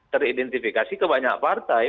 teridentifikasi ke banyak partai